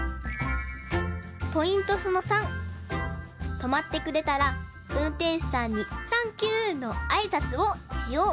とまってくれたらうんてんしゅさんに「サンキュー！」のあいさつをしよう！